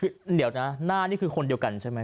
คือเดี๋ยวนะหน้านี่คือคนเดียวกันใช่ไหม